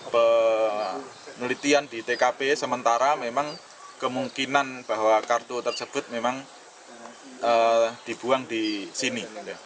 penelitian di tkp sementara memang kemungkinan bahwa kartu tersebut memang dibuang di sini